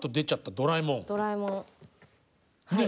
ドラえもんはい。